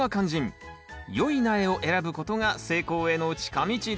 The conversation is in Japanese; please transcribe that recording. よい苗を選ぶことが成功への近道です。